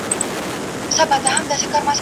زما په یاد دي پاچا خره ته وه ویلي.